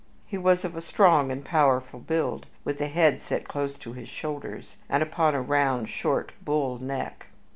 He was of a strong and powerful build, with a head set close to his shoulders, and upon a round, short bull neck.